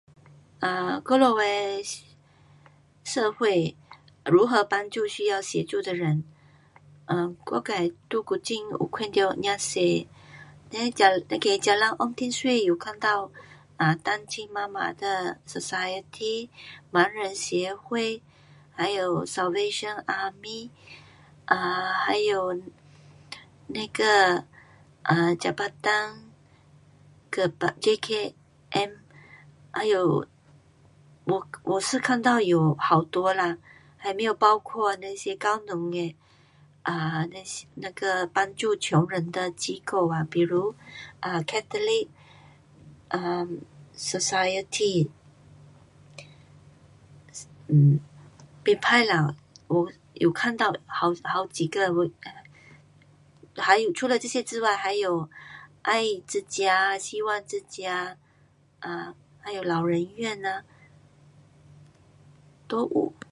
[um]我们的社会[mandarin如何帮助需要协助的人][um]我自己在古晋有看到很多neh 那个jalan orkid street [mandarin有看到][um][mandarin单亲妈妈的] society [mandarin盲人协会还有]salvation army[um][mandarin还有哪一个] jabatan kebajikan KKM [mandarin还有我是看到有好多啦还没有包括那一些]教堂的[um][mandarin那个帮助穷人的机构啊比如][um] catholic um society um 不错啦 [mandarin有看到好几个还有除了这些之外，爱之家，希望之家[um]还有老人院哪]都有。